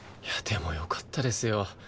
でもよかったですよ。